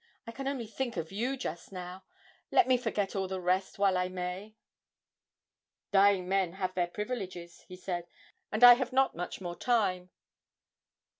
I can only think of you just now let me forget all the rest while I may!' 'Dying men have their privileges,' he said, 'and I have not much more time.